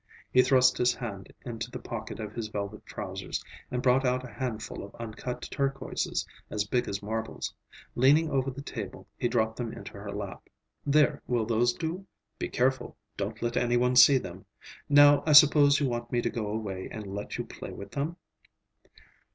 He thrust his hand into the pocket of his velvet trousers and brought out a handful of uncut turquoises, as big as marbles. Leaning over the table he dropped them into her lap. "There, will those do? Be careful, don't let any one see them. Now, I suppose you want me to go away and let you play with them?"